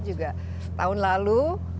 juga tahun lalu